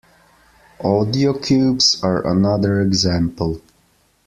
AudioCubes are another example.